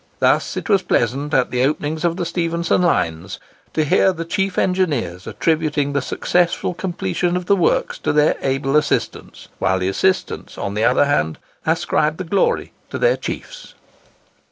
Thus it was pleasant, at the openings of the Stephenson lines, to hear the chief engineers attributing the successful completion of the works to their able assistants; whilst the assistants, on the other hand, ascribed the glory to their chiefs.